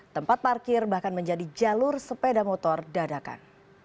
tempat parkir bahkan menjadi jalur sepeda motor dadakan